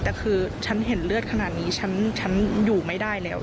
แต่คือฉันเห็นเลือดขนาดนี้ฉันอยู่ไม่ได้แล้ว